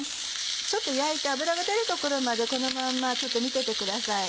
ちょっと焼いて脂が出るところまでこのまんまちょっと見ててください。